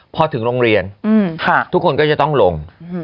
พอถึงโรงเรียนทุกคนก็จะต้องลง